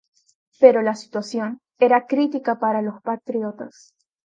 Pero la situación era crítica para los patriotas.